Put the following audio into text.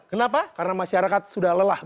kenapa karena masyarakat sudah lelah